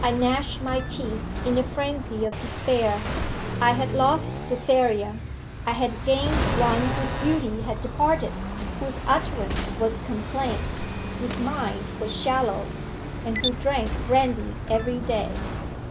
'I gnashed my teeth in a frenzy of despair; I had lost Cytherea; I had gained one whose beauty had departed, whose utterance was complaint, whose mind was shallow, and who drank brandy every day.